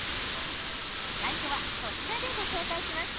最初はこちらでご紹介します。